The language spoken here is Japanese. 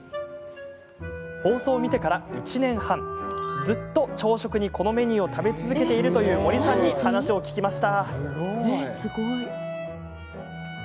放送を見てから１年半ずっと朝食に、このメニューを食べ続けているという森さんに話を聞きました。